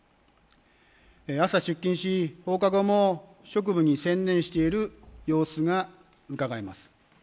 朝、出勤し放課後も職務に専念している様子がうかがえます。